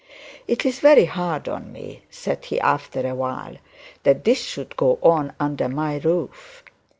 'It's very hard on me,' said he, after a while, 'that this should go on under my roof.'